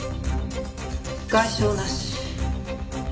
外傷なし。